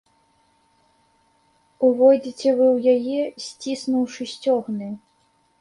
Увойдзеце вы ў яе, сціснуўшы сцёгны.